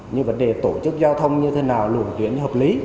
như vấn đề tổ chức giao thông như thế nào lưu tuyến hợp lý